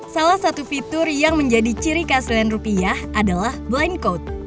salah satu fitur yang menjadi ciri keaslian rupiah adalah blind code